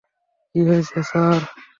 কী হয়েছে স্যার?